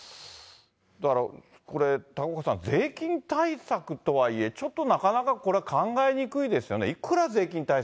だからこれ、高岡さん、税金対策とはいえ、ちょっとなかなかこれ、考えにくいですよね。